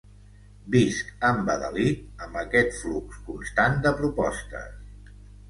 Visc embadalit amb aquest flux constant de propostes.